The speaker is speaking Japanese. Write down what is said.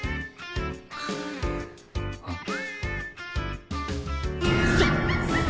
あっ。